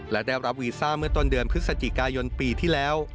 และได้รับวีซ่าเมื่อต้นเดือนพฤศจิกายนปีที่แล้ว